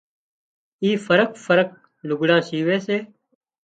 اي فرق فرق لگھڙان شيوي سي